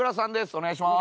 お願いします。